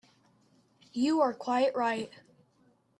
You are quite right.